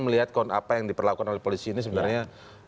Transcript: melihat apa yang diperlakukan oleh polisi ini sebenarnya